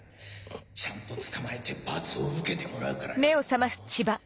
ちゃんと捕まえて罰を受けてもらうからよぉ。